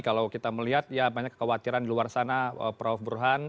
kalau kita melihat ya banyak kekhawatiran di luar sana prof burhan